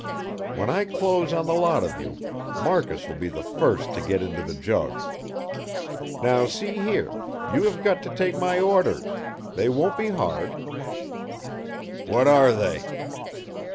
When I close on the lot of you, Marcus will be the first to go into the jug. Now, see here, you have got to take my orders; they won't be hard." "What are they?"